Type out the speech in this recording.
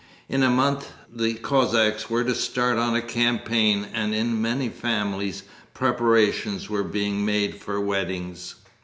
In a month the Cossacks were to start on a campaign and in many families preparations were being made for weddings.